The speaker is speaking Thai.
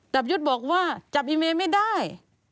ับยุทธ์บอกว่าจับอีเมย์ไม่ได้